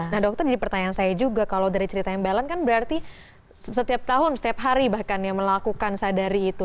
nah dokter jadi pertanyaan saya juga kalau dari cerita yang balan kan berarti setiap tahun setiap hari bahkan yang melakukan sadari itu